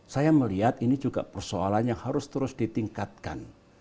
saya melihat ini juga persoalan yang harus terus ditingkatkan